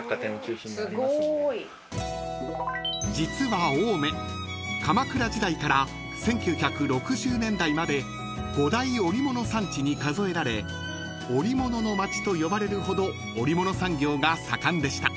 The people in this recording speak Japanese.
［実は青梅鎌倉時代から１９６０年代まで５大織物産地に数えられ織物の町と呼ばれるほど織物産業が盛んでした］